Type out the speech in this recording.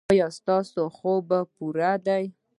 ایا ستاسو خوب پوره دی؟